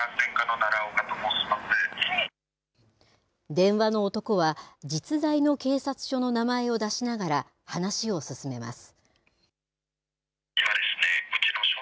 電話の男は、実在の警察署の名前を出しながら、話を進めます。